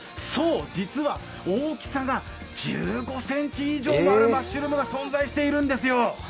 そう、実は大きさが１５ｃｍ以上もあるマッシュルームが存在しているんですよ。